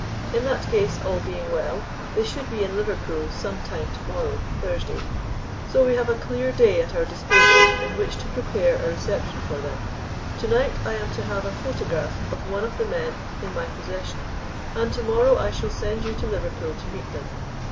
In that case, all being well, they should be in Liverpool some time to morrow, Thursday. So we have a clear day at our disposal in which to prepare a reception for them. To night I am to have a photograph of one of the men in my possession, and to morrow I shall send you to Liverpool to meet them.